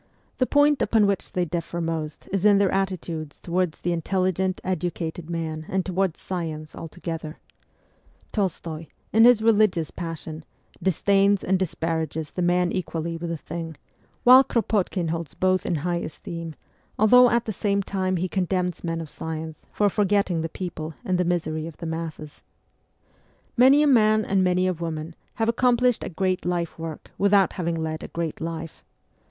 The point upon which they differ most is in their attitudes towards the intelligent educated man and towards science altogether ; Tolstoy, in his religious passion, disdains and disparages the man equally with the thing, while Kropotkin holds both in high esteem, although at the same time he condemns men of science for forgetting the people and the misery of the masses. Many a man and many a woman have accomplished a great life work without having led a great life.